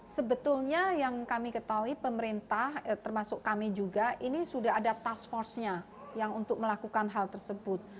sebetulnya yang kami ketahui pemerintah termasuk kami juga ini sudah ada task force nya yang untuk melakukan hal tersebut